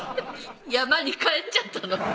山に帰っちゃったの？